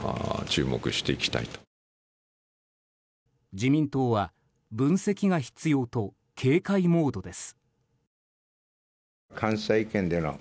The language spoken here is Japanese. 自民党は分析が必要と警戒モードです。